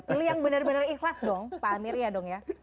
pilih yang benar benar ikhlas dong pak amir ya dong ya